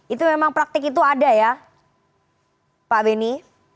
itu memang praktik itu ada ya pak beni